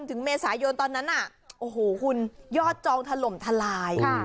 ถึงเมษายนตอนนั้นน่ะโอ้โหคุณยอดจองถล่มทลาย